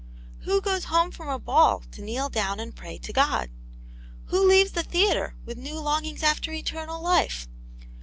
Who goes home from a ball, to kneel down and pray to God? Who leaves the theatre with new longings after eternal life